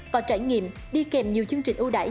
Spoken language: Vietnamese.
và trải nghiệm đi kèm nhiều chương trình ưu đả